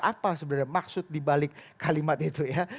apa sebenarnya maksud dibalik kalimat itu ya